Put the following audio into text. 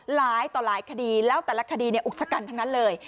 หลายต่อหลายคดีแล้วแต่ละคดีอุกชะกันทั้งนั้นเลย